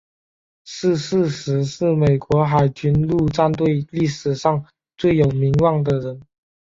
逝世时是美国海军陆战队历史上最有名望的人。